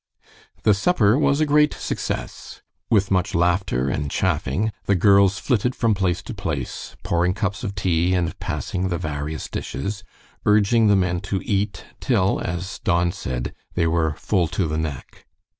The supper was a great success. With much laughter and chaffing, the girls flitted from place to place, pouring cups of tea and passing the various dishes, urging the men to eat, till, as Don said, they were "full to the neck."